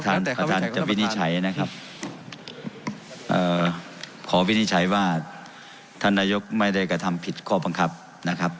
ท่านประธานจะวินิจฉัยนะครับเอ่อขอวินิจฉัยว่าท่านนายกไม่ได้กระทำผิดข้อบังคับนะครับ